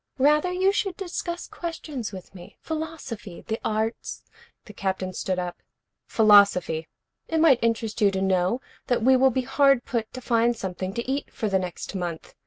Rather you should discuss questions with me, philosophy, the arts " The Captain stood up. "Philosophy. It might interest you to know that we will be hard put to find something to eat for the next month.